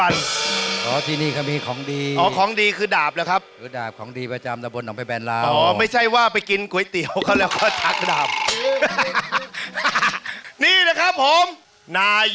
นี่นะครับผมนายกอบตของน้องไพแบนนายกสุรสักวงนะ